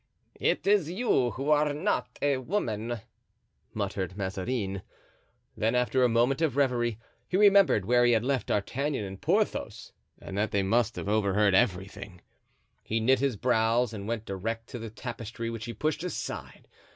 "It is you who are not a woman," muttered Mazarin. Then, after a moment of reverie, he remembered where he had left D'Artagnan and Porthos and that they must have overheard everything. He knit his brows and went direct to the tapestry, which he pushed aside.